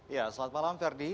ya selamat malam verdi